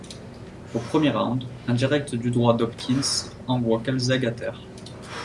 Au premier round, un direct du droit d'Hopkins envoie Calzaghe à terre.